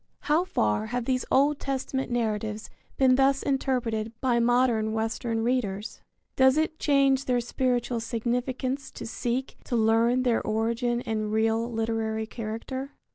How far have these Old Testament narratives been thus interpreted by modern western readers? Does it change their spiritual significance to seek to learn their origin and real literary character?